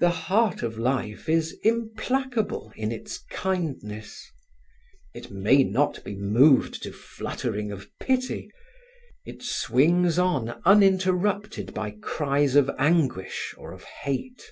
The heart of life is implacable in its kindness. It may not be moved to fluttering of pity; it swings on uninterrupted by cries of anguish or of hate.